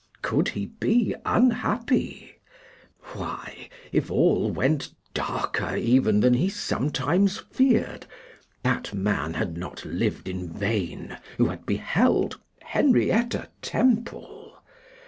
Could he be unhappy? Why, if all went darker even than he sometimes feared, that man had not lived in vain who had beheld Henrietta Temple!